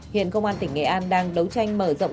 hiện công an tỉnh nghệ an đang đấu tranh mở rộng